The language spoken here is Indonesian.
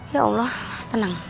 ya allah tenang